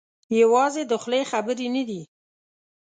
یوازې د خولې خبرې نه دي.